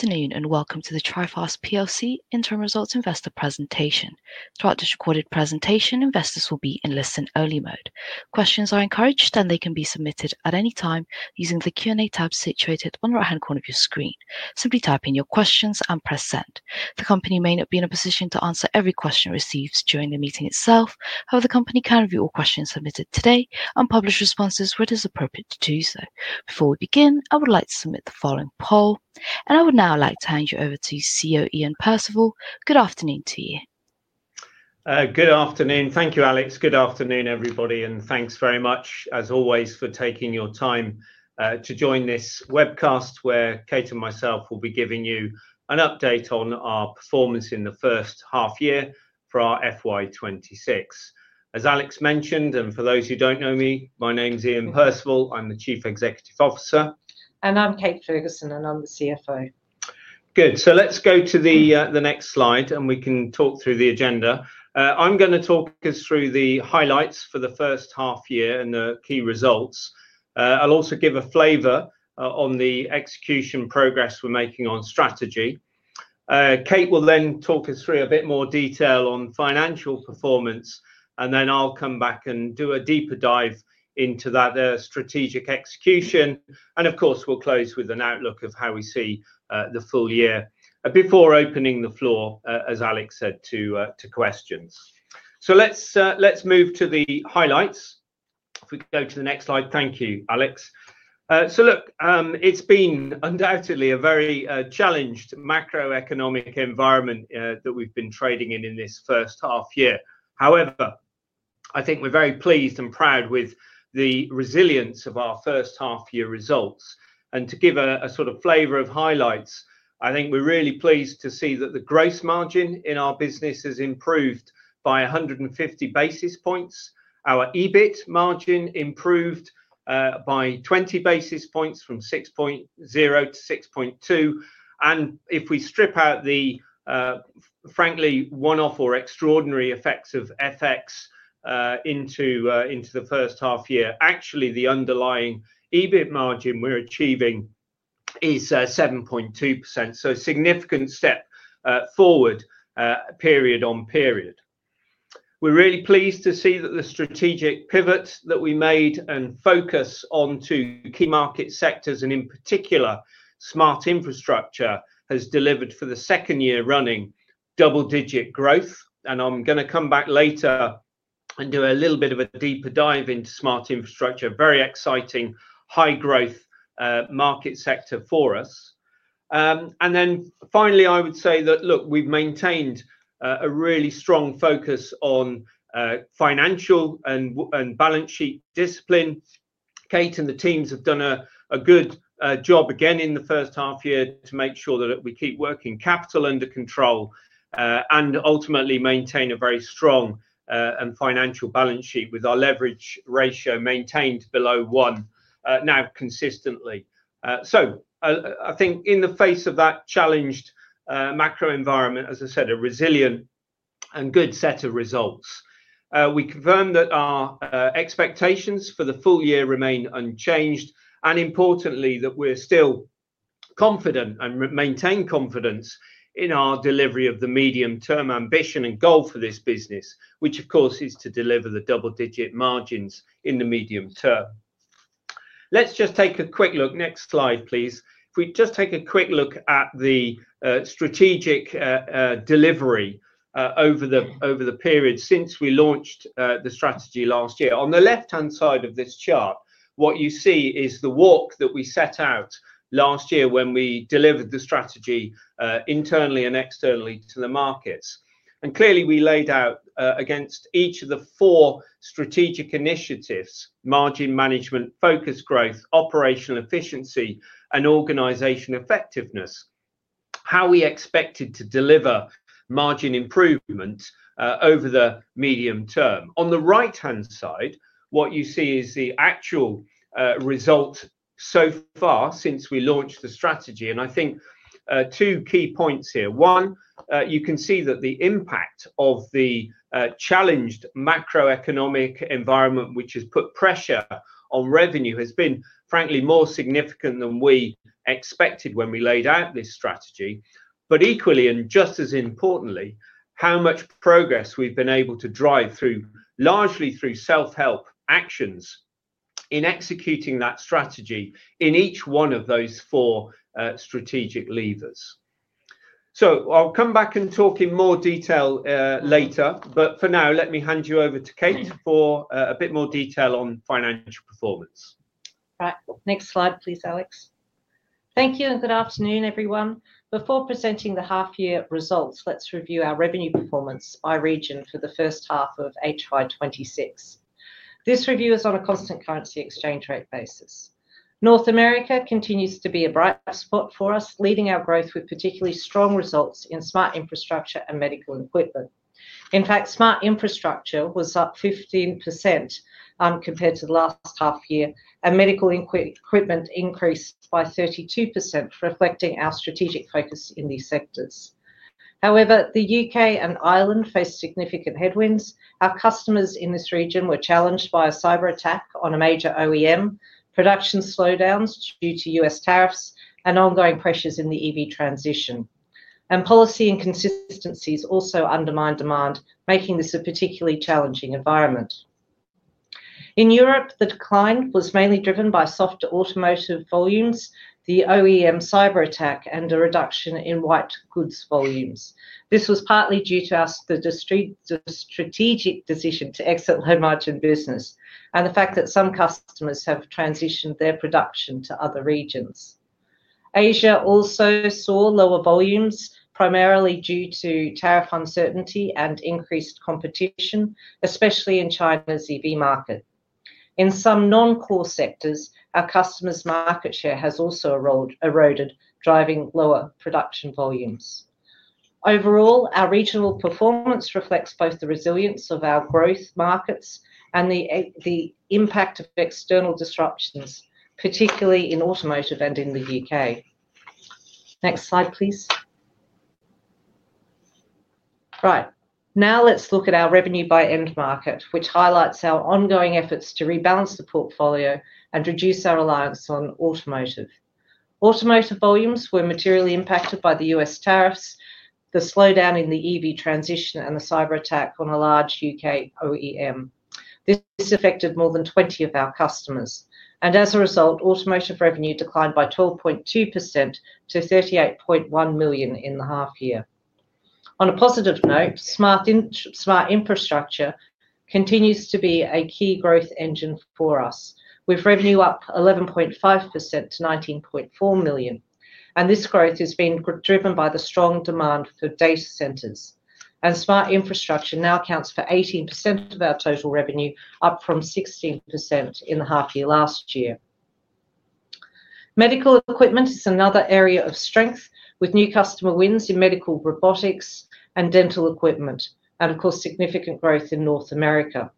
Afternoon and welcome to the Trifast plc interim results investor presentation. Throughout this recorded presentation, investors will be in listen-only mode. Questions are encouraged, and they can be submitted at any time using the Q&A tab situated on the right-hand corner of your screen. Simply type in your questions and press send. The company may not be in a position to answer every question received during the meeting itself. However, the company can review all questions submitted today and publish responses where it is appropriate to do so. Before we begin, I would like to submit the following poll, and I would now like to hand you over to CEO Iain Percival. Good afternoon to you. Good afternoon. Thank you, Alex. Good afternoon, everybody, and thanks very much, as always, for taking your time to join this webcast where Kate and myself will be giving you an update on our performance in the first half year for our FY 2026. As Alex mentioned, and for those who do not know me, my name's Iain Percival. I'm the Chief Executive Officer. I'm Kate Ferguson, and I'm the CFO. Good. Let's go to the next slide, and we can talk through the agenda. I'm going to talk us through the highlights for the first half year and the key results. I'll also give a flavor on the execution progress we're making on strategy. Kate will then talk us through a bit more detail on financial performance, and then I'll come back and do a deeper dive into that strategic execution. Of course, we'll close with an outlook of how we see the full year before opening the floor, as Alex said, to questions. Let's move to the highlights. If we could go to the next slide. Thank you, Alex. Look, it's been undoubtedly a very challenged macroeconomic environment that we've been trading in in this first half year. However, I think we're very pleased and proud with the resilience of our first half-year results. To give a sort of flavor of highlights, I think we're really pleased to see that the gross margin in our business has improved by 150 basis points. Our EBIT margin improved by 20 basis points from 6.0 to 6.2. If we strip out the, frankly, one-off or extraordinary effects of FX into the first half year, actually the underlying EBIT margin we're achieving is 7.2%. A significant step forward, period on period. We're really pleased to see that the strategic pivot that we made and focus onto key market sectors, and in particular, smart infrastructure, has delivered for the second year running double-digit growth. I'm going to come back later and do a little bit of a deeper dive into smart infrastructure. Very exciting, high-growth market sector for us. Finally, I would say that, look, we've maintained a really strong focus on financial and balance sheet discipline. Kate and the teams have done a good job again in the first half year to make sure that we keep working capital under control and ultimately maintain a very strong and financial balance sheet with our leverage ratio maintained below one now consistently. I think in the face of that challenged macro environment, as I said, a resilient and good set of results, we confirm that our expectations for the full year remain unchanged and, importantly, that we're still confident and maintain confidence in our delivery of the medium-term ambition and goal for this business, which, of course, is to deliver the double-digit margins in the medium term. Let's just take a quick look. Next slide, please. If we just take a quick look at the strategic delivery over the period since we launched the strategy last year. On the left-hand side of this chart, what you see is the walk that we set out last year when we delivered the strategy internally and externally to the markets. Clearly, we laid out against each of the four strategic initiatives: margin management, focus growth, operational efficiency, and organisation effectiveness, how we expected to deliver margin improvement over the medium term. On the right-hand side, what you see is the actual result so far since we launched the strategy. I think two key points here. One, you can see that the impact of the challenged macroeconomic environment, which has put pressure on revenue, has been, frankly, more significant than we expected when we laid out this strategy. Equally, and just as importantly, how much progress we've been able to drive largely through self-help actions in executing that strategy in each one of those four strategic levers. I'll come back and talk in more detail later, but for now, let me hand you over to Kate for a bit more detail on financial performance. Right. Next slide, please, Alex. Thank you and good afternoon, everyone. Before presenting the half-year results, let's review our revenue performance by region for the first half of HY 2026. This review is on a constant currency exchange rate basis. North America continues to be a bright spot for us, leading our growth with particularly strong results in smart infrastructure and medical equipment. In fact, smart infrastructure was up 15% compared to the last half year, and medical equipment increased by 32%, reflecting our strategic focus in these sectors. However, the U.K. and Ireland faced significant headwinds. Our customers in this region were challenged by a cyber attack on a major OEM, production slowdowns due to US tariffs, and ongoing pressures in the EV transition. Policy inconsistencies also undermined demand, making this a particularly challenging environment. In Europe, the decline was mainly driven by soft automotive volumes, the OEM cyber attack, and a reduction in white goods volumes. This was partly due to our strategic decision to exit low-margin business and the fact that some customers have transitioned their production to other regions. Asia also saw lower volumes, primarily due to tariff uncertainty and increased competition, especially in China's EV market. In some non-core sectors, our customers' market share has also eroded, driving lower production volumes. Overall, our regional performance reflects both the resilience of our growth markets and the impact of external disruptions, particularly in automotive and in the U.K. Next slide, please. Right. Now let's look at our revenue by end market, which highlights our ongoing efforts to rebalance the portfolio and reduce our reliance on automotive. Automotive volumes were materially impacted by the U.S. tariffs, the slowdown in the EV transition, and the cyber attack on a large U.K. OEM. This affected more than 20 of our customers. As a result, automotive revenue declined by 12.2% to 38.1 million in the half year. On a positive note, smart infrastructure continues to be a key growth engine for us, with revenue up 11.5% to 19.4 million. This growth has been driven by the strong demand for data centres. Smart infrastructure now accounts for 18% of our total revenue, up from 16% in the half year last year. Medical equipment is another area of strength, with new customer wins in medical robotics and dental equipment, and, of course, significant growth in North America.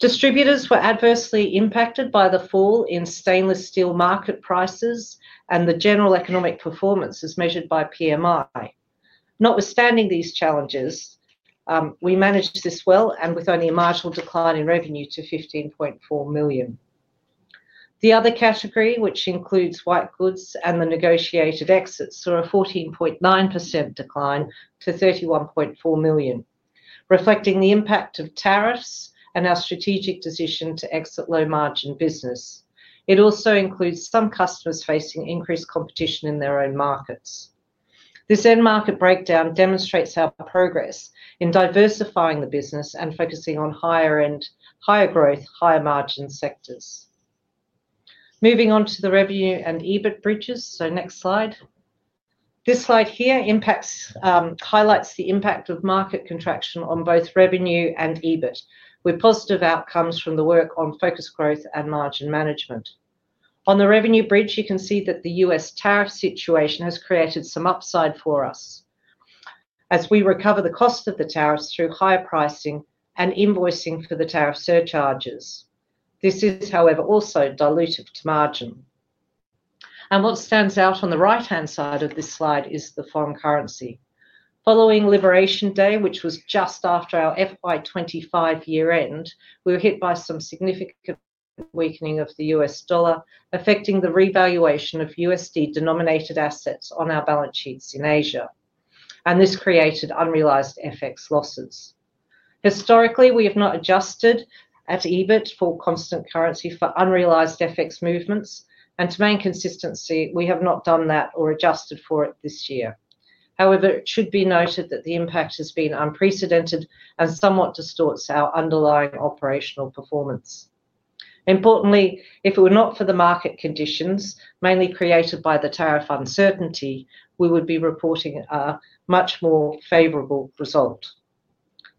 Distributors were adversely impacted by the fall in stainless steel market prices and the general economic performance as measured by PMI. Notwithstanding these challenges, we managed this well and with only a marginal decline in revenue to 15.4 million. The other category, which includes white goods and the negotiated exits, saw a 14.9% decline to 31.4 million, reflecting the impact of tariffs and our strategic decision to exit low-margin business. It also includes some customers facing increased competition in their own markets. This end market breakdown demonstrates our progress in diversifying the business and focusing on higher-end, higher-growth, higher-margin sectors. Moving on to the revenue and EBIT bridges. Next slide. This slide here highlights the impact of market contraction on both revenue and EBIT, with positive outcomes from the work on focus growth and margin management. On the revenue bridge, you can see that the U.S. tariff situation has created some upside for us as we recover the cost of the tariffs through higher pricing and invoicing for the tariff surcharges. This is, however, also diluted to margin. What stands out on the right-hand side of this slide is the foreign currency. Following Liberation Day, which was just after our fiscal year 2025 year-end, we were hit by some significant weakening of the U.S. dollar, affecting the revaluation of USD-denominated assets on our balance sheets in Asia. This created unrealised FX losses. Historically, we have not adjusted at EBIT for constant currency for unrealised FX movements. To maintain consistency, we have not done that or adjusted for it this year. However, it should be noted that the impact has been unprecedented and somewhat distorts our underlying operational performance. Importantly, if it were not for the market conditions, mainly created by the tariff uncertainty, we would be reporting a much more favorable result.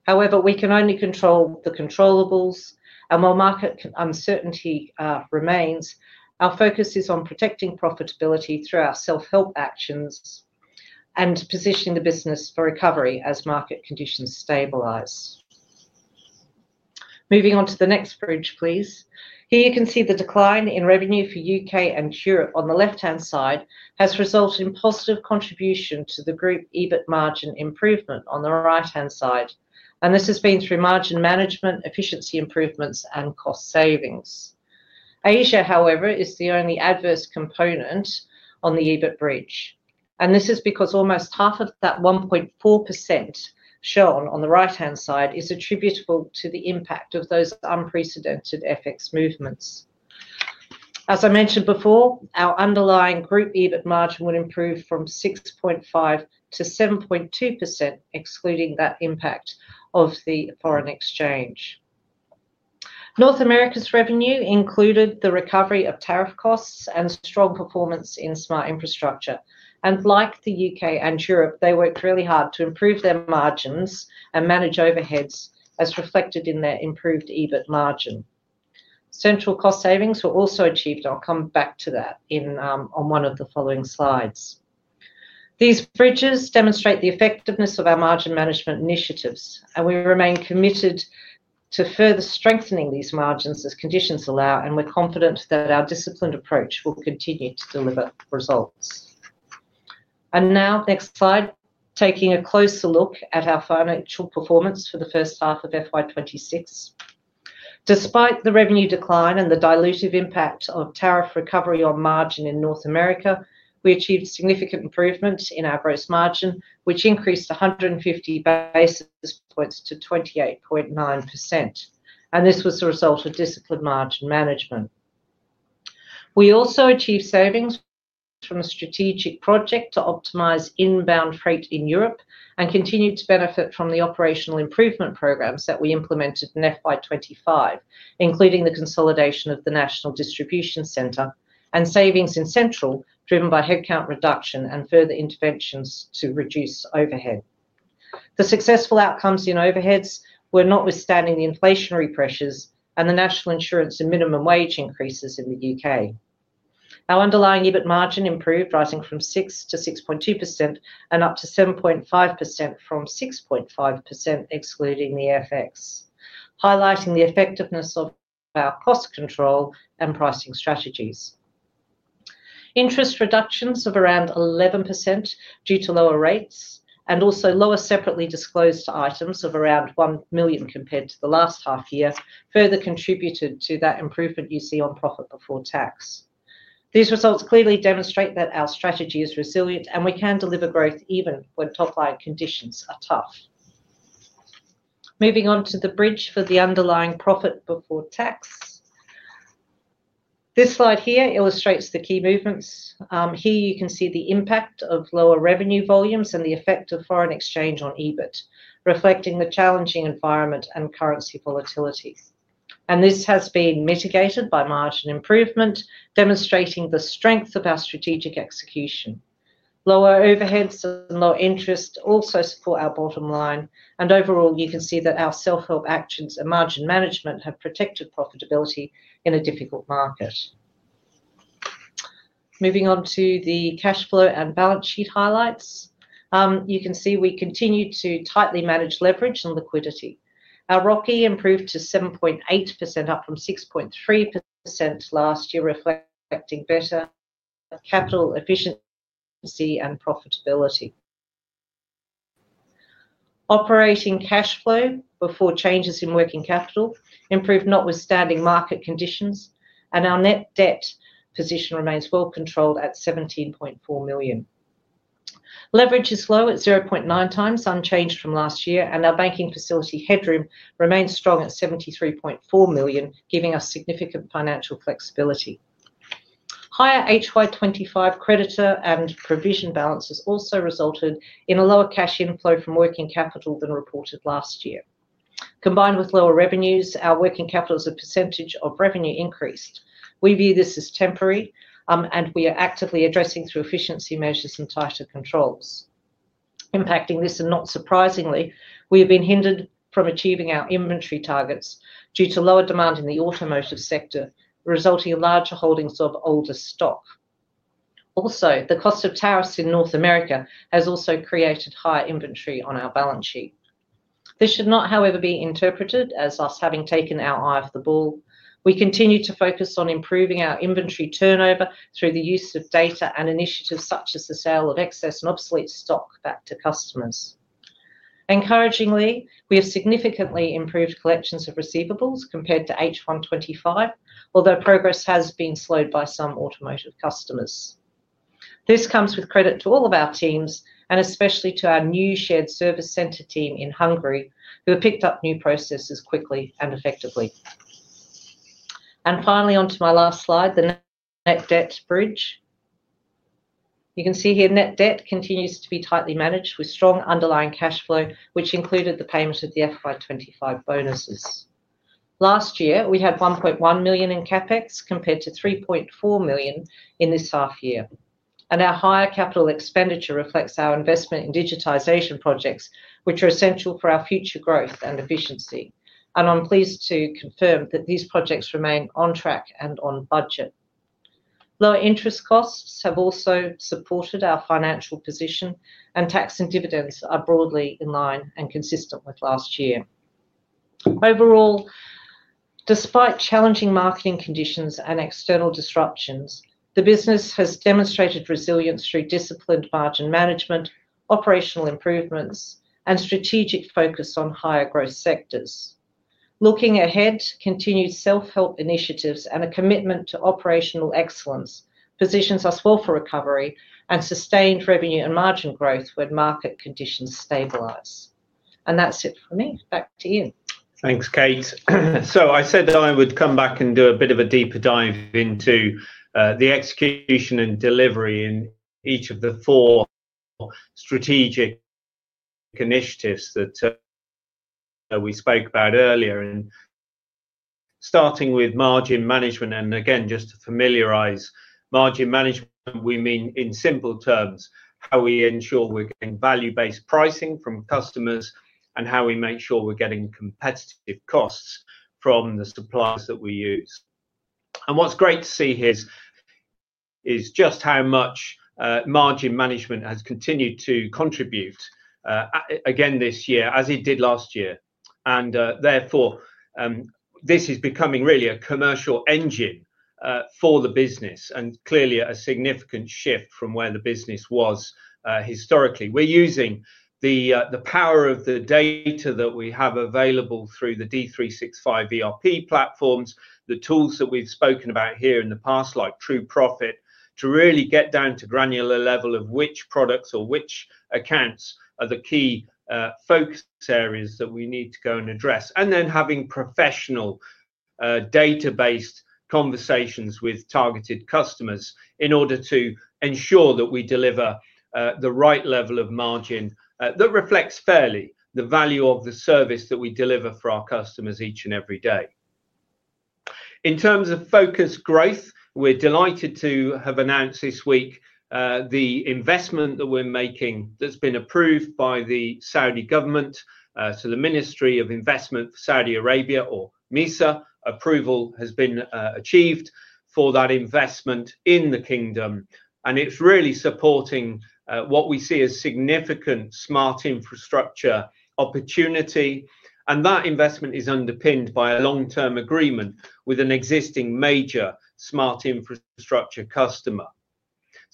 However, we can only control the controllables, and while market uncertainty remains, our focus is on protecting profitability through our self-help actions and positioning the business for recovery as market conditions stabilize. Moving on to the next bridge, please. Here you can see the decline in revenue for U.K. and Europe on the left-hand side has resulted in positive contribution to the group EBIT margin improvement on the right-hand side. This has been through margin management, efficiency improvements, and cost savings. Asia, however, is the only adverse component on the EBIT bridge. This is because almost half of that 1.4% shown on the right-hand side is attributable to the impact of those unprecedented FX movements. As I mentioned before, our underlying group EBIT margin would improve from 6.5% to 7.2%, excluding that impact of the foreign exchange. North America's revenue included the recovery of tariff costs and strong performance in smart infrastructure. Like the U.K. and Europe, they worked really hard to improve their margins and manage overheads as reflected in their improved EBIT margin. Central cost savings were also achieved. I will come back to that on one of the following slides. These bridges demonstrate the effectiveness of our margin management initiatives, and we remain committed to further strengthening these margins as conditions allow, and we are confident that our disciplined approach will continue to deliver results. Now, next slide, taking a closer look at our financial performance for the first half of FY 2026. Despite the revenue decline and the dilutive impact of tariff recovery on margin in North America, we achieved significant improvement in our gross margin, which increased 150 basis points to 28.9%. This was the result of disciplined margin management. We also achieved savings from a strategic project to optimize inbound freight in Europe and continued to benefit from the operational improvement programs that we implemented in FY 2025, including the consolidation of the National Distribution Centre and savings in Central, driven by headcount reduction and further interventions to reduce overhead. The successful outcomes in overheads were notwithstanding the inflationary pressures and the National Insurance and Minimum Wage increases in the U.K. Our underlying EBIT margin improved, rising from 6% to 6.2% and up to 7.5% from 6.5%, excluding the FX, highlighting the effectiveness of our cost control and pricing strategies. Interest reductions of around 11% due to lower rates and also lower separately disclosed items of around $1 million compared to the last half year further contributed to that improvement you see on profit before tax. These results clearly demonstrate that our strategy is resilient and we can deliver growth even when top line conditions are tough. Moving on to the bridge for the underlying profit before tax. This slide here illustrates the key movements. Here you can see the impact of lower revenue volumes and the effect of foreign exchange on EBIT, reflecting the challenging environment and currency volatility. This has been mitigated by margin improvement, demonstrating the strength of our strategic execution. Lower overheads and low interest also support our bottom line. Overall, you can see that our self-help actions and margin management have protected profitability in a difficult market. Moving on to the cash flow and balance sheet highlights. You can see we continue to tightly manage leverage and liquidity. Our ROCE improved to 7.8%, up from 6.3% last year, reflecting better capital efficiency and profitability. Operating cash flow before changes in working capital improved, notwithstanding market conditions, and our net debt position remains well controlled at 17.4 million. Leverage is low at 0.9x, unchanged from last year, and our banking facility headroom remains strong at 73.4 million, giving us significant financial flexibility. Higher HY 2025 creditor and provision balances also resulted in a lower cash inflow from working capital than reported last year. Combined with lower revenues, our working capital as a percentage of revenue increased. We view this as temporary, and we are actively addressing through efficiency measures and tighter controls. Impacting this, and not surprisingly, we have been hindered from achieving our inventory targets due to lower demand in the automotive sector, resulting in larger holdings of older stock. Also, the cost of tariffs in North America has also created higher inventory on our balance sheet. This should not, however, be interpreted as us having taken our eye off the ball. We continue to focus on improving our inventory turnover through the use of data and initiatives such as the sale of excess and obsolete stock back to customers. Encouragingly, we have significantly improved collections of receivables compared to HY 2025, although progress has been slowed by some automotive customers. This comes with credit to all of our teams and especially to our new shared service centre team in Hungary, who have picked up new processes quickly and effectively. Finally, on to my last slide, the net debt bridge. You can see here net debt continues to be tightly managed with strong underlying cash flow, which included the payment of the FY 2025 bonuses. Last year, we had $1.1 million in CapEx compared to $3.4 million in this half year. Our higher capital expenditure reflects our investment in digitisation projects, which are essential for our future growth and efficiency. I'm pleased to confirm that these projects remain on track and on budget. Lower interest costs have also supported our financial position, and tax and dividends are broadly in line and consistent with last year. Overall, despite challenging market conditions and external disruptions, the business has demonstrated resilience through disciplined margin management, operational improvements, and strategic focus on higher growth sectors. Looking ahead, continued self-help initiatives and a commitment to operational excellence positions us well for recovery and sustained revenue and margin growth when market conditions stabilise. That's it for me. Back to you. Thanks, Kate. I said that I would come back and do a bit of a deeper dive into the execution and delivery in each of the four strategic initiatives that we spoke about earlier, starting with margin management. Again, just to familiarise, margin management, we mean in simple terms, how we ensure we're getting value-based pricing from customers and how we make sure we're getting competitive costs from the suppliers that we use. What's great to see here is just how much margin management has continued to contribute again this year, as it did last year. Therefore, this is becoming really a commercial engine for the business and clearly a significant shift from where the business was historically. We're using the power of the data that we have available through the D365 ERP platforms, the tools that we've spoken about here in the past, like TrueProfit, to really get down to granular level of which products or which accounts are the key focus areas that we need to go and address. Then having professional database conversations with targeted customers in order to ensure that we deliver the right level of margin that reflects fairly the value of the service that we deliver for our customers each and every day. In terms of focus growth, we're delighted to have announced this week the investment that we're making that's been approved by the Saudi government. The Ministry of Investment for Saudi Arabia, or MISA, approval has been achieved for that investment in the kingdom. It is really supporting what we see as significant smart infrastructure opportunity. That investment is underpinned by a long-term agreement with an existing major smart infrastructure customer.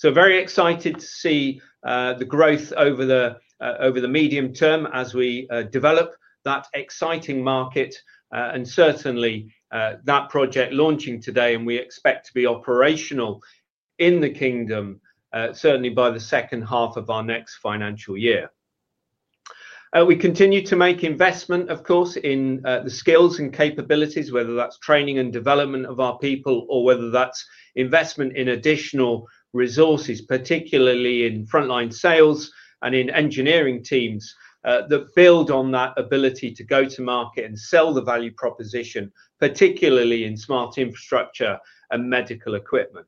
Very excited to see the growth over the medium term as we develop that exciting market and certainly that project launching today, and we expect to be operational in the kingdom, certainly by the second half of our next financial year. We continue to make investment, of course, in the skills and capabilities, whether that's training and development of our people or whether that's investment in additional resources, particularly in frontline sales and in engineering teams that build on that ability to go to market and sell the value proposition, particularly in smart infrastructure and medical equipment.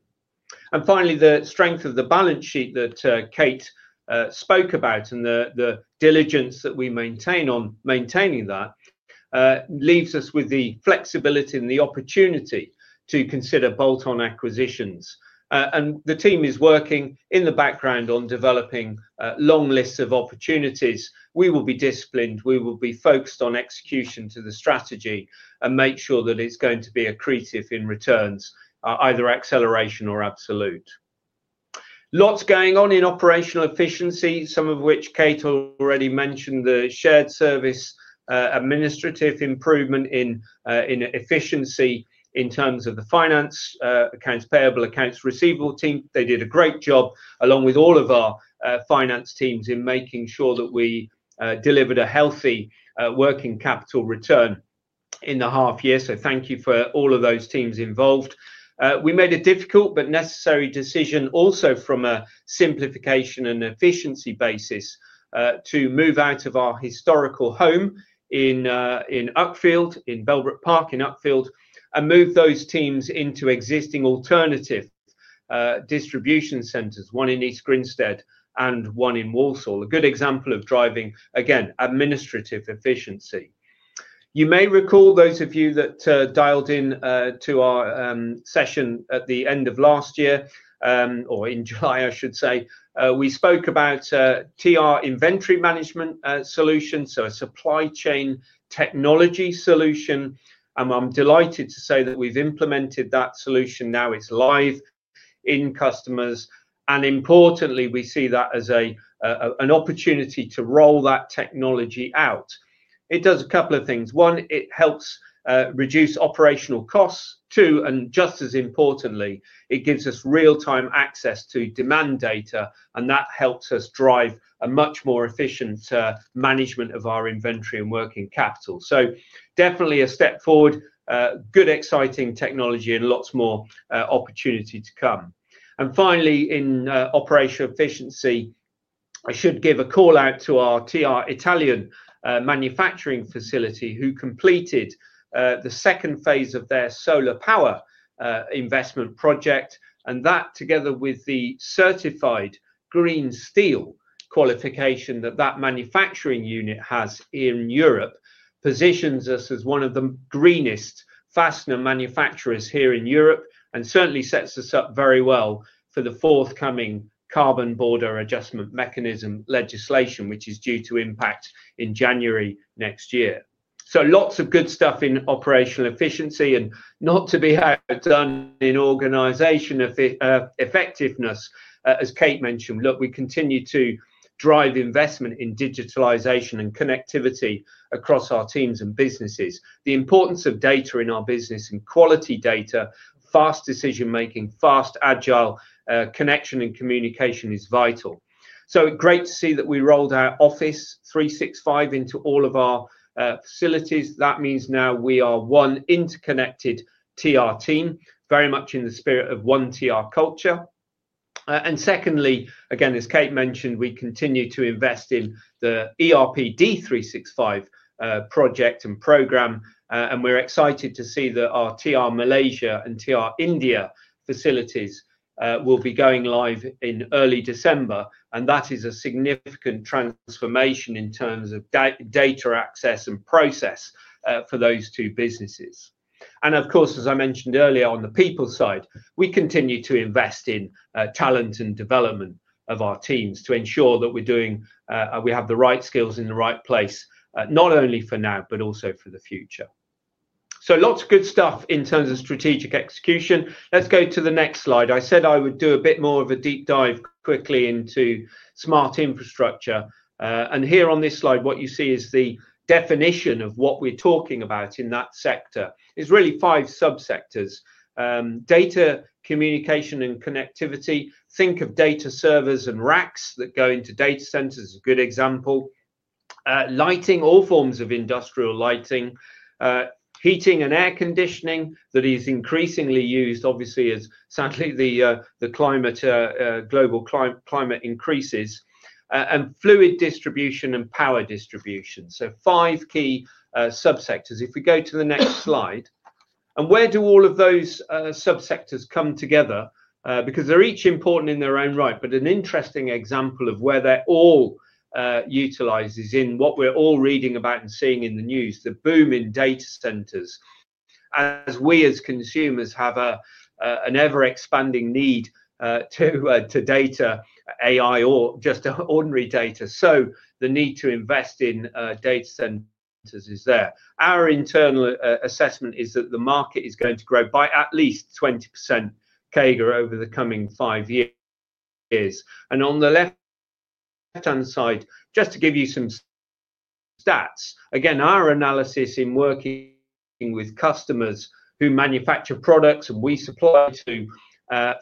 Finally, the strength of the balance sheet that Kate spoke about and the diligence that we maintain on maintaining that leaves us with the flexibility and the opportunity to consider bolt-on acquisitions. The team is working in the background on developing long lists of opportunities. We will be disciplined. We will be focused on execution to the strategy and make sure that it's going to be accretive in returns, either acceleration or absolute. Lots going on in operational efficiency, some of which Kate already mentioned, the shared service administrative improvement in efficiency in terms of the finance accounts, payable accounts, receivable team. They did a great job along with all of our finance teams in making sure that we delivered a healthy working capital return in the half year. Thank you for all of those teams involved. We made a difficult but necessary decision also from a simplification and efficiency basis to move out of our historical home in Uckfield in Bellbrook Park in Uckfield and move those teams into existing alternative distribution centres, one in East Grinstead and one in Walsall. A good example of driving, again, administrative efficiency. You may recall those of you that dialed in to our session at the end of last year or in July, I should say. We spoke about TR inventory management solutions, so a supply chain technology solution. I am delighted to say that we have implemented that solution now. It is live in customers. Importantly, we see that as an opportunity to roll that technology out. It does a couple of things. One, it helps reduce operational costs. Two, and just as importantly, it gives us real-time access to demand data, and that helps us drive a much more efficient management of our inventory and working capital. Definitely a step forward, good, exciting technology, and lots more opportunity to come. Finally, in operational efficiency, I should give a call out to our Italian manufacturing facility who completed the second phase of their solar power investment project. That, together with the certified green steel qualification that that manufacturing unit has in Europe, positions us as one of the greenest fastener manufacturers here in Europe and certainly sets us up very well for the forthcoming carbon border adjustment mechanism legislation, which is due to impact in January next year. Lots of good stuff in operational efficiency and not to be outdone in organisation effectiveness. As Kate mentioned, look, we continue to drive investment in digitalisation and connectivity across our teams and businesses. The importance of data in our business and quality data, fast decision-making, fast agile connection and communication is vital. It is great to see that we rolled out Office 365 into all of our facilities. That means now we are one interconnected TR team, very much in the spirit of one TR culture. Secondly, again, as Kate mentioned, we continue to invest in the ERP D365 project and program. We are excited to see that our TR Malaysia and TR India facilities will be going live in early December. That is a significant transformation in terms of data access and process for those two businesses. Of course, as I mentioned earlier, on the people side, we continue to invest in talent and development of our teams to ensure that we have the right skills in the right place, not only for now, but also for the future. Lots of good stuff in terms of strategic execution. Let's go to the next slide. I said I would do a bit more of a deep dive quickly into smart infrastructure. Here on this slide, what you see is the definition of what we're talking about in that sector. It's really five subsectors: data, communication, and connectivity. Think of data servers and racks that go into data centres as a good example. Lighting, all forms of industrial lighting, heating and air conditioning that is increasingly used, obviously, as sadly the global climate increases, and fluid distribution and power distribution. Five key subsectors. If we go to the next slide, where do all of those subsectors come together? Because they're each important in their own right, but an interesting example of where they're all utilized is in what we're all reading about and seeing in the news, the boom in data centers, as we as consumers have an ever-expanding need for data, AI, or just ordinary data. The need to invest in data centers is there. Our internal assessment is that the market is going to grow by at least 20%, CAGR, over the coming five years. On the left-hand side, just to give you some stats, again, our analysis in working with customers who manufacture products and we supply to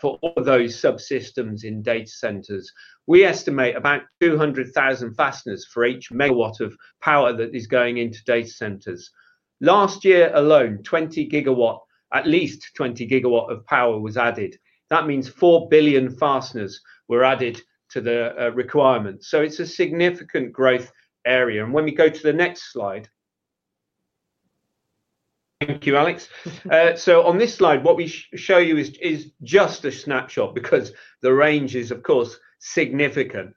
for all of those subsystems in data centers, we estimate about 200,000 fasteners for each megawatt of power that is going into data centers. Last year alone, 20 GW, at least 20 GW of power was added. That means 4 billion fasteners were added to the requirement. It is a significant growth area. When we go to the next slide, thank you, Alex. On this slide, what we show you is just a snapshot because the range is, of course, significant.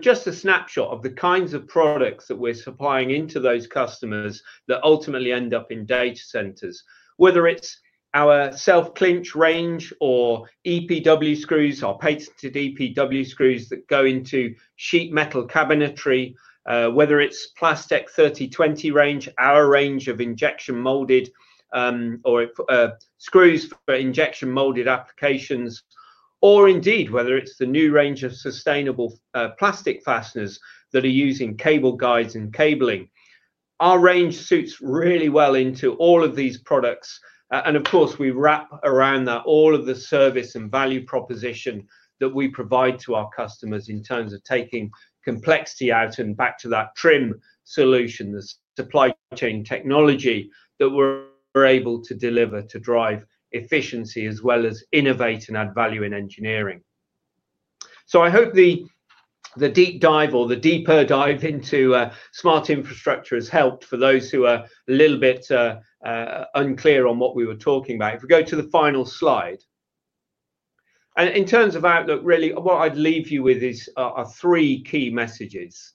Just a snapshot of the kinds of products that we're supplying into those customers that ultimately end up in data centres, whether it's our self-clench range or EPW screws, our patented EPW screws that go into sheet metal cabinetry, whether it's plastic 3020 range, our range of injection moulded or screws for injection moulded applications, or indeed whether it's the new range of sustainable plastic fasteners that are using cable guides and cabling. Our range suits really well into all of these products. Of course, we wrap around that all of the service and value proposition that we provide to our customers in terms of taking complexity out and back to that TRiM solution, the supply chain technology that we're able to deliver to drive efficiency as well as innovate and add value in engineering. I hope the deep dive or the deeper dive into smart infrastructure has helped for those who are a little bit unclear on what we were talking about. If we go to the final slide, in terms of outlook, really, what I'd leave you with is our three key messages.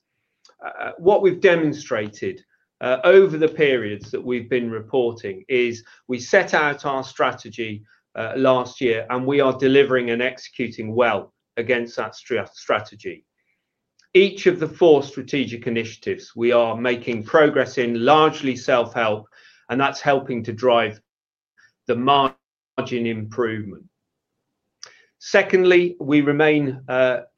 What we've demonstrated over the periods that we've been reporting is we set out our strategy last year, and we are delivering and executing well against that strategy. Each of the four strategic initiatives we are making progress in largely self-help, and that's helping to drive the margin improvement. Secondly, we remain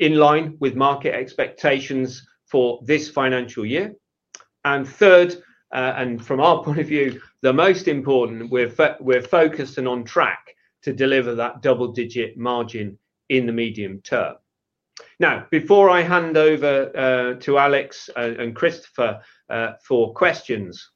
in line with market expectations for this financial year. Third, and from our point of view, the most important, we're focused and on track to deliver that double-digit margin in the medium term. Now, before I hand over to Alex and Christopher for questions,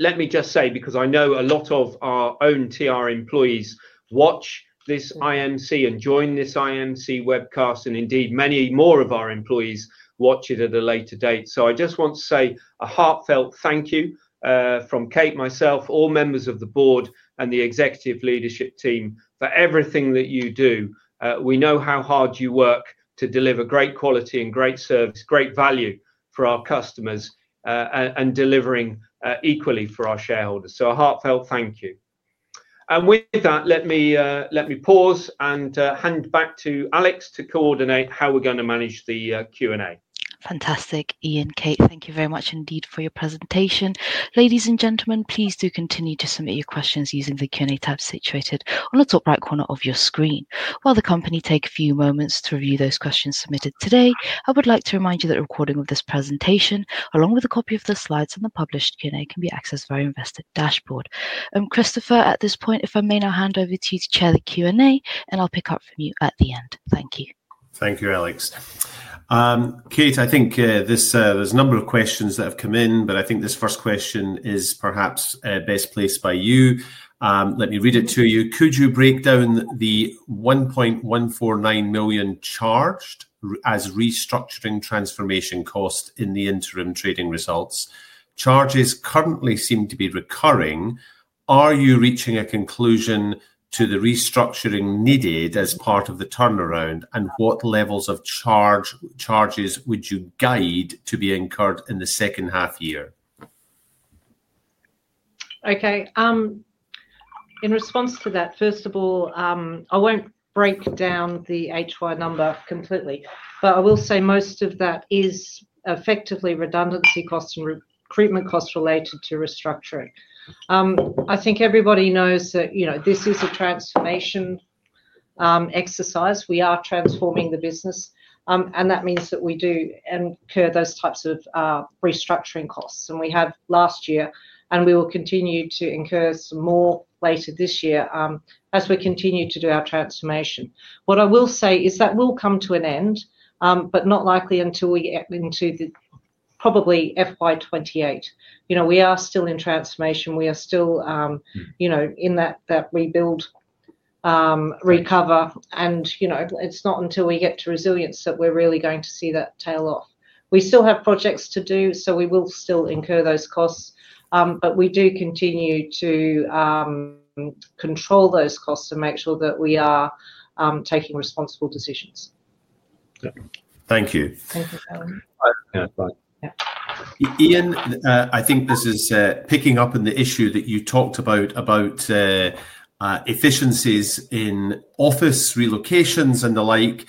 let me just say, because I know a lot of our own TR employees watch this IMC and join this IMC webcast, and indeed many more of our employees watch it at a later date. I just want to say a heartfelt thank you from Kate, myself, all members of the board, and the executive leadership team for everything that you do. We know how hard you work to deliver great quality and great service, great value for our customers and delivering equally for our shareholders. A heartfelt thank you. With that, let me pause and hand back to Alex to coordinate how we are going to manage the Q&A. Fantastic, Iain and Kate. Thank you very much indeed for your presentation. Ladies and gentlemen, please do continue to submit your questions using the Q&A tab situated on the top right corner of your screen. While the company takes a few moments to review those questions submitted today, I would like to remind you that the recording of this presentation, along with a copy of the slides and the published Q&A, can be accessed via Invested Dashboard. Christopher, at this point, if I may now hand over to you to chair the Q&A, and I'll pick up from you at the end. Thank you. Thank you, Alex. Kate, I think there's a number of questions that have come in, but I think this first question is perhaps best placed by you. Let me read it to you. Could you break down the $1.149 million charged as restructuring transformation cost in the interim trading results? Charges currently seem to be recurring. Are you reaching a conclusion to the restructuring needed as part of the turnaround, and what levels of charges would you guide to be incurred in the second half year? Okay. In response to that, first of all, I won't break down the HY number completely, but I will say most of that is effectively redundancy costs and recruitment costs related to restructuring. I think everybody knows that this is a transformation exercise. We are transforming the business, and that means that we do incur those types of restructuring costs. We have last year, and we will continue to incur some more later this year as we continue to do our transformation. What I will say is that will come to an end, but not likely until we get into probably FY 2028. We are still in transformation. We are still in that rebuild, recover. It's not until we get to resilience that we're really going to see that tail off. We still have projects to do, so we will still incur those costs. We do continue to control those costs to make sure that we are taking responsible decisions. Thank you. Thank you, Darren. Iain, I think this is picking up on the issue that you talked about, about efficiencies in office relocations and the like.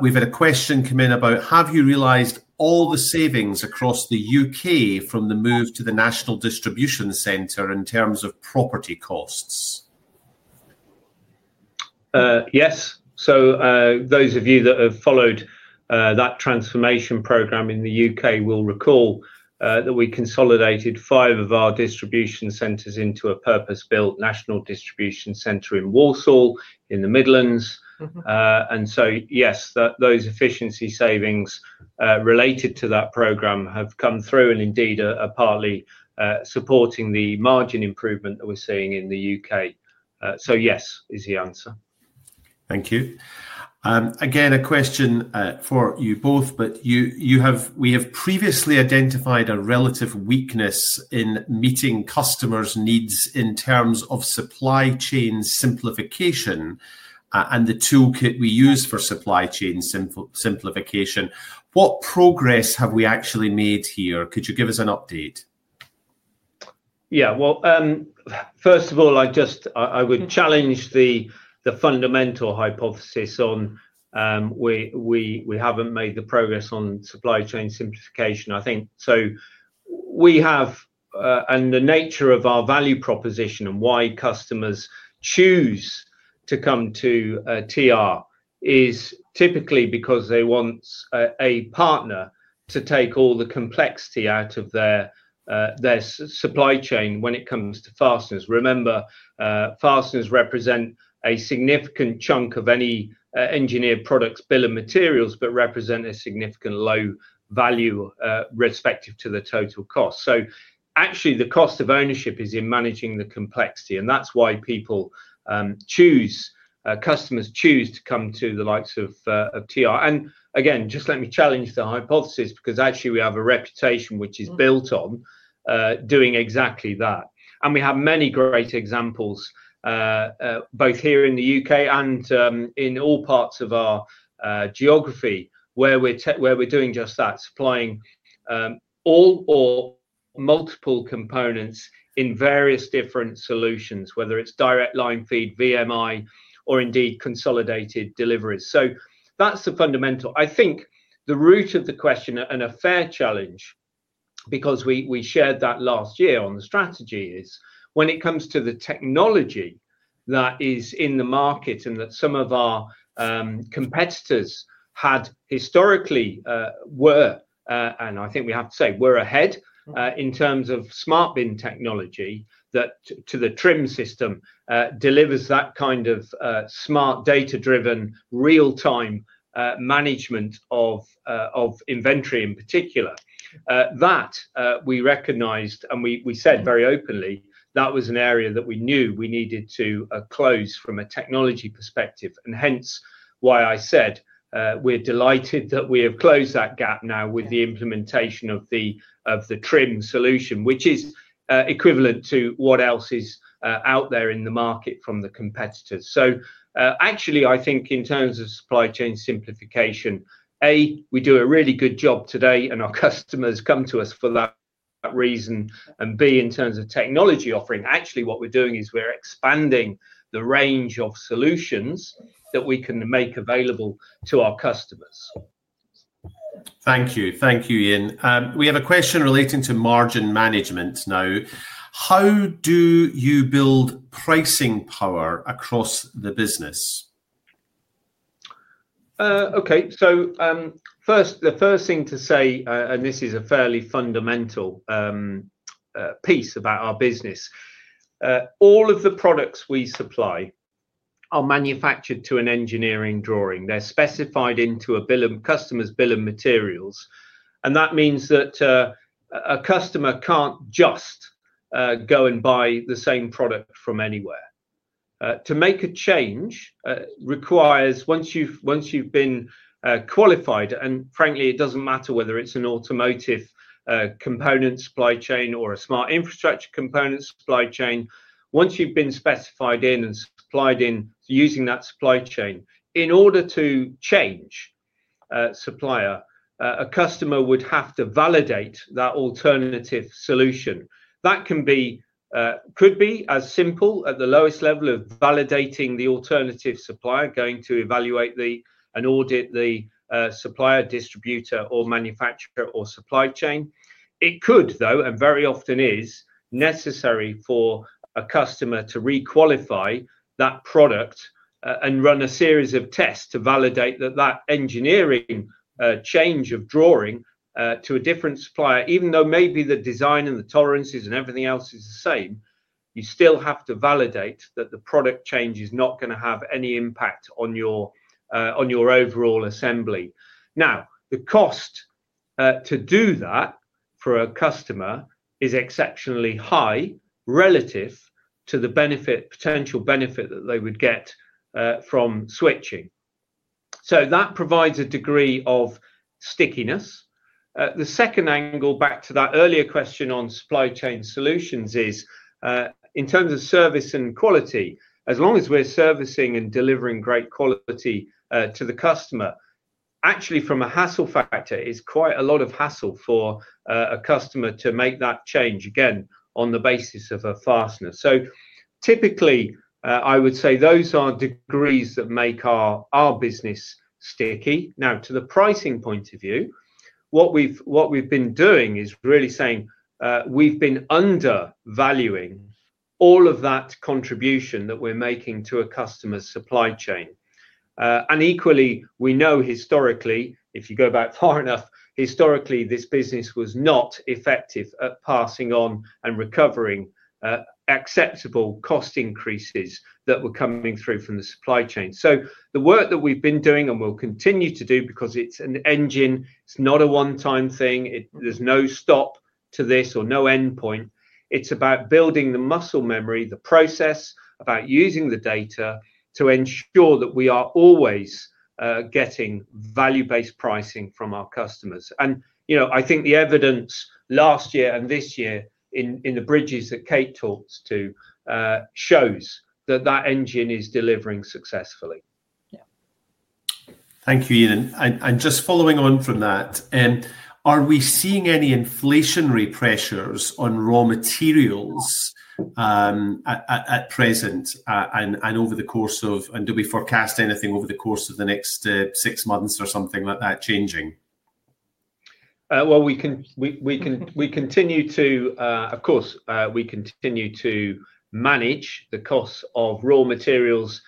We've had a question come in about, have you realized all the savings across the U.K. from the move to the National Distribution Centre in terms of property costs? Yes. Those of you that have followed that transformation program in the U.K. will recall that we consolidated five of our distribution centres into a purpose-built National Distribution Centre in Warsall in the Midlands. Yes, those efficiency savings related to that program have come through and indeed are partly supporting the margin improvement that we're seeing in the U.K. Yes is the answer. Thank you. Again, a question for you both, but we have previously identified a relative weakness in meeting customers' needs in terms of supply chain simplification and the toolkit we use for supply chain simplification. What progress have we actually made here? Could you give us an update? Yeah. First of all, I would challenge the fundamental hypothesis on we haven't made the progress on supply chain simplification. I think we have, and the nature of our value proposition and why customers choose to come to TR is typically because they want a partner to take all the complexity out of their supply chain when it comes to fasteners. Remember, fasteners represent a significant chunk of any engineered products, bill of materials, but represent a significant low value respective to the total cost. Actually, the cost of ownership is in managing the complexity. That is why people choose, customers choose to come to the likes of TR. Again, just let me challenge the hypothesis because actually we have a reputation which is built on doing exactly that. We have many great examples, both here in the U.K. and in all parts of our geography where we are doing just that, supplying all or multiple components in various different solutions, whether it is direct line feed, VMI, or indeed consolidated deliveries. That is the fundamental. I think the root of the question and a fair challenge, because we shared that last year on the strategy, is when it comes to the technology that is in the market and that some of our competitors had historically were, and I think we have to say we're ahead in terms of smart bin technology that to the TRiM system delivers that kind of smart data-driven real-time management of inventory in particular. That we recognized, and we said very openly, that was an area that we knew we needed to close from a technology perspective. Hence why I said we're delighted that we have closed that gap now with the implementation of the TRiM solution, which is equivalent to what else is out there in the market from the competitors. Actually, I think in terms of supply chain simplification, A, we do a really good job today, and our customers come to us for that reason, and B, in terms of technology offering, actually what we are doing is we are expanding the range of solutions that we can make available to our customers. Thank you. Thank you, Iain. We have a question relating to margin management now. How do you build pricing power across the business? Okay. The first thing to say, and this is a fairly fundamental piece about our business, all of the products we supply are manufactured to an engineering drawing. They are specified into a customer's bill of materials. That means that a customer cannot just go and buy the same product from anywhere. To make a change requires once you've been qualified, and frankly, it doesn't matter whether it's an automotive component supply chain or a smart infrastructure component supply chain, once you've been specified in and supplied in using that supply chain, in order to change supplier, a customer would have to validate that alternative solution. That could be as simple at the lowest level of validating the alternative supplier, going to evaluate and audit the supplier, distributor, or manufacturer, or supply chain. It could, though, and very often is, necessary for a customer to requalify that product and run a series of tests to validate that that engineering change of drawing to a different supplier, even though maybe the design and the tolerances and everything else is the same, you still have to validate that the product change is not going to have any impact on your overall assembly. Now, the cost to do that for a customer is exceptionally high relative to the potential benefit that they would get from switching. That provides a degree of stickiness. The second angle back to that earlier question on supply chain solutions is in terms of service and quality, as long as we're servicing and delivering great quality to the customer, actually from a hassle factor, it's quite a lot of hassle for a customer to make that change again on the basis of a fastener. Typically, I would say those are degrees that make our business sticky. Now, to the pricing point of view, what we've been doing is really saying we've been undervaluing all of that contribution that we're making to a customer's supply chain. Equally, we know historically, if you go back far enough, historically, this business was not effective at passing on and recovering acceptable cost increases that were coming through from the supply chain. The work that we've been doing and will continue to do, because it's an engine, it's not a one-time thing, there's no stop to this or no endpoint, it's about building the muscle memory, the process, about using the data to ensure that we are always getting value-based pricing from our customers. I think the evidence last year and this year in the bridges that Kate talks to shows that that engine is delivering successfully. Yeah. Thank you, Iain. Just following on from that, are we seeing any inflationary pressures on raw materials at present and over the course of, and do we forecast anything over the course of the next six months or something like that changing? We continue to, of course, we continue to manage the costs of raw materials.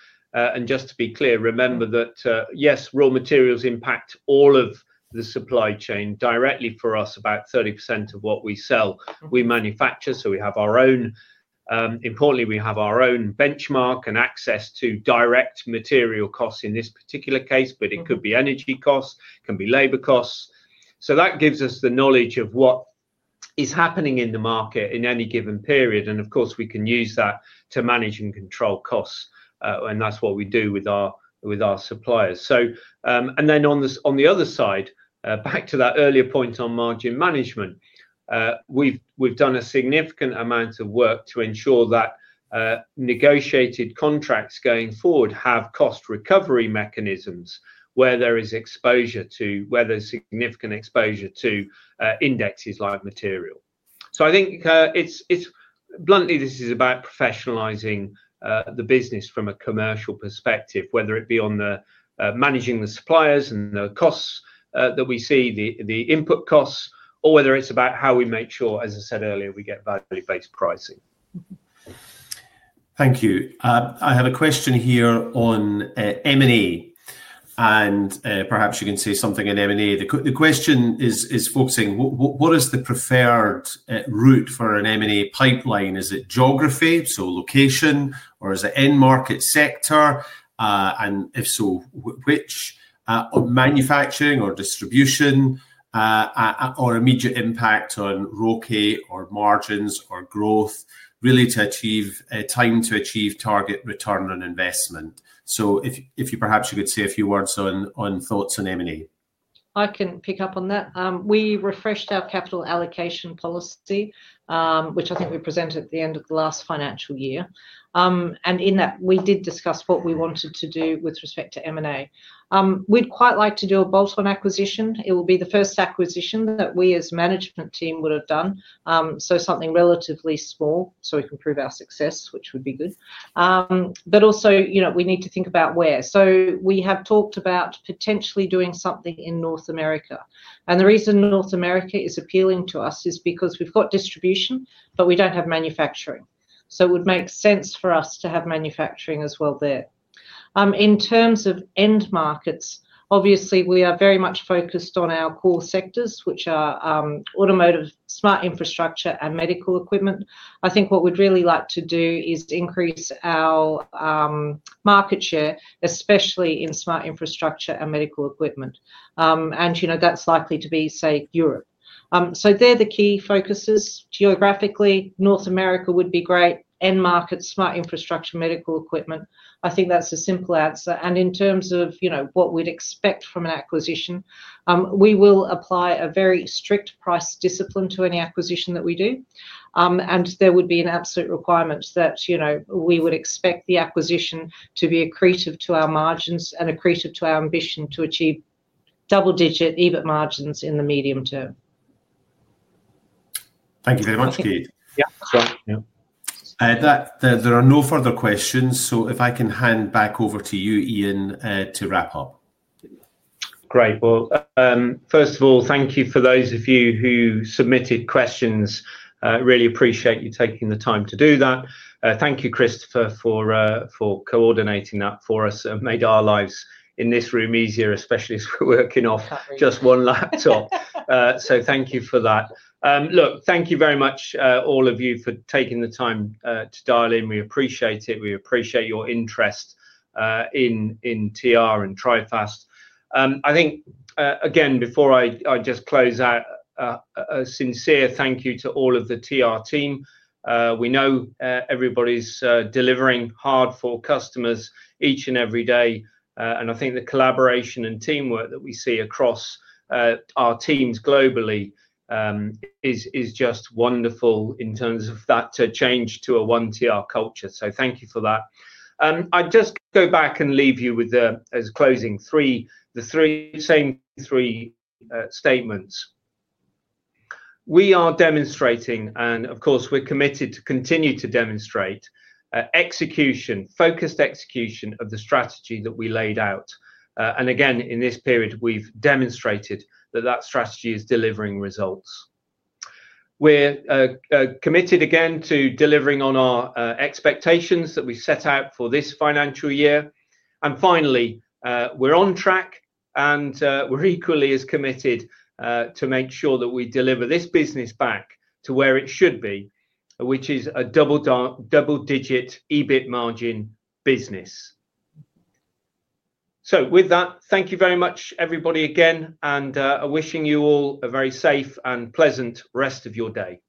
Just to be clear, remember that, yes, raw materials impact all of the supply chain directly for us, about 30% of what we sell. We manufacture, so we have our own, importantly, we have our own benchmark and access to direct material costs in this particular case, but it could be energy costs, it can be labor costs. That gives us the knowledge of what is happening in the market in any given period. Of course, we can use that to manage and control costs, and that's what we do with our suppliers. On the other side, back to that earlier point on margin management, we've done a significant amount of work to ensure that negotiated contracts going forward have cost recovery mechanisms where there is exposure to, where there's significant exposure to indexes like material. I think bluntly, this is about professionalising the business from a commercial perspective, whether it be on managing the suppliers and the costs that we see, the input costs, or whether it's about how we make sure, as I said earlier, we get value-based pricing. Thank you. I had a question here on M&A, and perhaps you can say something on M&A. The question is focusing, what is the preferred route for an M&A pipeline? Is it geography, so location, or is it in-market sector? If so, which manufacturing or distribution or immediate impact on rookie or margins or growth really to achieve time to achieve target return on investment? If you perhaps you could say a few words on thoughts on M&A. I can pick up on that. We refreshed our capital allocation policy, which I think we presented at the end of the last financial year. In that, we did discuss what we wanted to do with respect to M&A. We'd quite like to do a bolt-on acquisition. It will be the first acquisition that we as management team would have done. Something relatively small so we can prove our success, which would be good. We need to think about where. We have talked about potentially doing something in North America. The reason North America is appealing to us is because we've got distribution, but we don't have manufacturing. It would make sense for us to have manufacturing as well there. In terms of end markets, obviously, we are very much focused on our core sectors, which are automotive, smart infrastructure, and medical equipment. I think what we'd really like to do is increase our market share, especially in smart infrastructure and medical equipment. That's likely to be, say, Europe. They're the key focuses. Geographically, North America would be great. End market, smart infrastructure, medical equipment. I think that's a simple answer. In terms of what we'd expect from an acquisition, we will apply a very strict price discipline to any acquisition that we do. There would be an absolute requirement that we would expect the acquisition to be accretive to our margins and accretive to our ambition to achieve double-digit EBIT margins in the medium term. Thank you very much, Kate. Yeah. There are no further questions. If I can hand back over to you, Iain, to wrap up. Great. First of all, thank you for those of you who submitted questions. Really appreciate you taking the time to do that. Thank you, Christopher, for coordinating that for us. It made our lives in this room easier, especially as we're working off just one laptop. Thank you for that. Thank you very much, all of you, for taking the time to dial in. We appreciate it. We appreciate your interest in TR and Trifast. I think, again, before I just close out, a sincere thank you to all of the TR team. We know everybody's delivering hard for customers each and every day. I think the collaboration and teamwork that we see across our teams globally is just wonderful in terms of that change to a one TR culture. Thank you for that. I just go back and leave you with, as closing, the same three statements. We are demonstrating, and of course, we're committed to continue to demonstrate execution, focused execution of the strategy that we laid out. Again, in this period, we've demonstrated that that strategy is delivering results. We're committed again to delivering on our expectations that we set out for this financial year. Finally, we're on track, and we're equally as committed to make sure that we deliver this business back to where it should be, which is a double-digit EBIT margin business. With that, thank you very much, everybody, again, and wishing you all a very safe and pleasant rest of your day.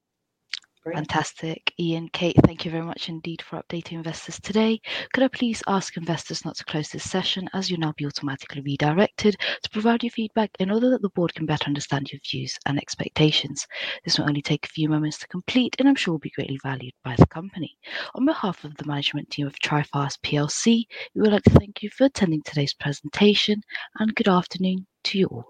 Fantastic. Iain, Kate, thank you very much indeed for updating investors today. Could I please ask investors not to close this session as you'll now be automatically redirected to provide your feedback in order that the board can better understand your views and expectations? This will only take a few moments to complete, and I'm sure it will be greatly valued by the company. On behalf of the management team of Trifast, we would like to thank you for attending today's presentation, and good afternoon to you all.